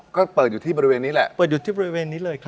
ก็เปิดอยู่ที่บริเวณนี้แหละเปิดอยู่ที่บริเวณนี้เลยครับ